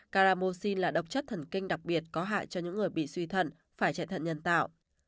caramoxin là độc chất thần kinh đặc biệt có hại cho những người bị suy thận phải chạy thận nhân tạo